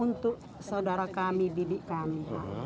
untuk saudara kami didik kami